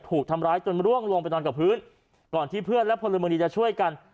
ถูกทำร้ายจนร่วงลงไปนอนกับพื้นก่อนที่เพื่อนและพลเมืองดีจะช่วยกัน